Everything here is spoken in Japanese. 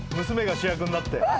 娘が主役になって。